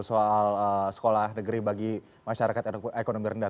soal sekolah negeri bagi masyarakat ekonomi rendah